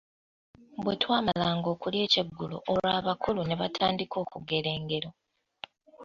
Bwetwamalanga okulya ekyeggulo, olwo abakulu ne batandika okugera engero.